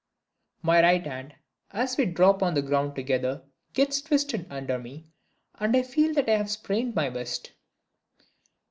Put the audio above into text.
My right hand, as we drop on the ground together, gets twisted under me, and I feel that I have sprained my wrist.